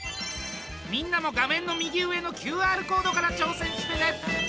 みんなも画面の右上のＱＲコードから挑戦してね！